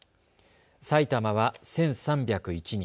埼玉は１３０１人。